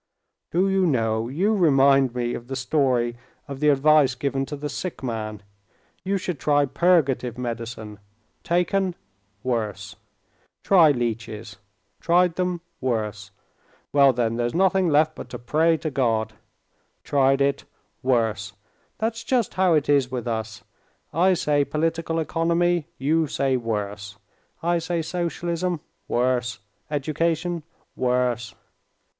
"Do you know, you remind me of the story of the advice given to the sick man—You should try purgative medicine. Taken: worse. Try leeches. Tried them: worse. Well, then, there's nothing left but to pray to God. Tried it: worse. That's just how it is with us. I say political economy; you say—worse. I say socialism: worse. Education: worse."